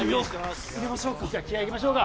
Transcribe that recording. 気合い入れましょうか。